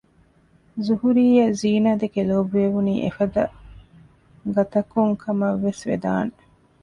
ޒުހުރީއަށް ޒީނާދެކެ ލޯބިވެވުނީ އެފަދަގަތަކުން ކަމަށްވެސް ވެދާނެ